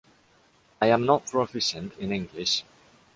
I am not proficient in English.